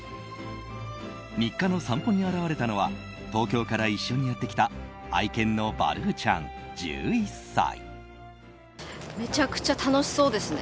日課の散歩に現れたのは東京から一緒にやってきた愛犬のバルーちゃん、１１歳。